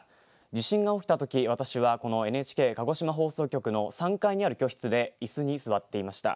地震が起きたとき、私はこのＮＨＫ鹿児島放送局の３階にある居室でいすに座っていました。